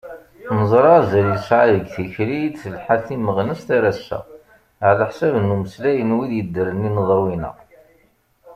Neẓra azal yesɛa deg tikli i d-telḥa timmeɣnest ar ass-a, ɛlaḥsab n umeslay n wid yeddren ineḍruyen-a.